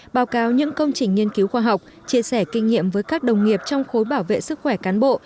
báo cáo những công trình nghiên cứu khoa học chia sẻ kinh nghiệm với các đồng nghiệp trong khối bảo vệ sức khỏe cán bộ